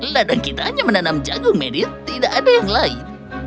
ladang kita hanya menanam jagung medit tidak ada yang lain